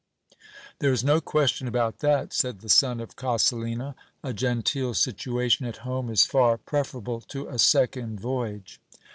There is no question about that, said the son of Coselina : a genteel situation at home is far preferable to a second voyage.